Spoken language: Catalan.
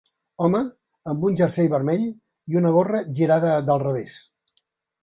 Home amb un jersei vermell i una gorra girada del revés.